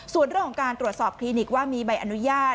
ส่วนเรื่องของการตรวจสอบคลินิกว่ามีใบอนุญาต